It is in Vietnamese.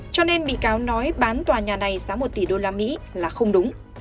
cho nên bị cáo nói bán tòa nhà này giá một tỷ usd là không đúng